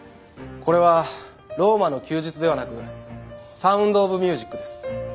これは『ローマの休日』ではなく『サウンド・オブ・ミュージック』です。